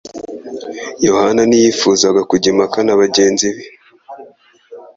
Yohana ntiyifuzaga kujya impaka na bagenzi be